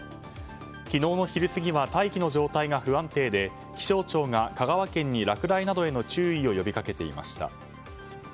昨日の昼過ぎは大気の状態が不安定で気象庁が香川県に落雷などへの注意を呼び掛けていました。